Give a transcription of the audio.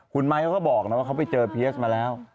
คุณไมค์เขาก็บอกนะว่าเขาไปเจอเพียสมาแล้ว